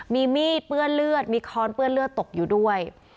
มีมีดเปื้อนเลือดมีค้อนเปื้อนเลือดตกอยู่ด้วย